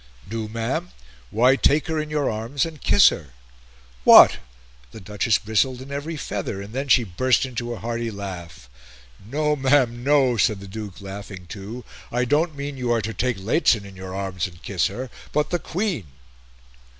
"Do, ma'am? Why, take her in your arms and kiss her." "What!" The Duchess bristled in every feather, and then she burst into a hearty laugh. "No, ma'am, no," said the Duke, laughing too. "I don't mean you are to take Lehzen in your arms and kiss her, but the Queen."